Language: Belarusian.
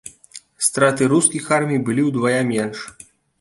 Страты рускіх армій былі ўдвая менш.